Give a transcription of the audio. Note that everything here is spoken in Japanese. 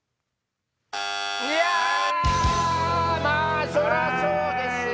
まぁそりゃそうですよ！